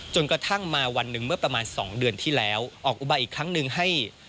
จนกระทั่งมาวันหนึ่งเมื่อประมาณ๒เดือนที่แล้วออกอุบายอีกครั้งหนึ่งให้